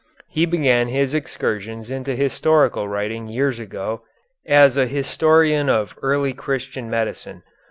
He began his excursions into historical writing years ago, as I understand, as an historian of early Christian medicine.